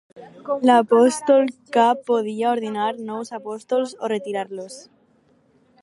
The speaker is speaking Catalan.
L'apòstol cap podia ordenar nous apòstols o retirar-los.